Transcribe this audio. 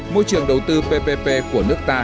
môi trường đầu tư ppp của nước ta